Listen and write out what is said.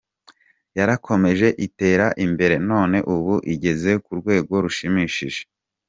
Yarakomeje itera imbere none ubu igeze ku rwego rushimishije.